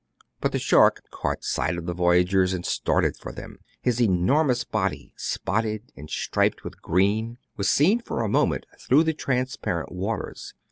But the shark caught sight of the voyagers, and started for them. His enormous body, spotted and striped with green, was seen for a moment through the transparent waters.